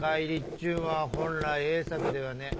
ちゅんは本来ええ策ではねえ。